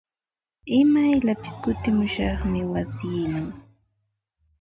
Imayllapis kutimushaqmi wasiiman.